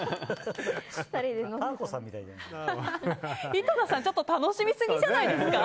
井戸田さん、ちょっと楽しみすぎじゃないですか。